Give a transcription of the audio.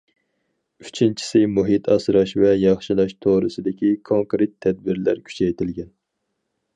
ئۈچىنچىسى، مۇھىت ئاسراش ۋە ياخشىلاش توغرىسىدىكى كونكرېت تەدبىرلەر كۈچەيتىلگەن.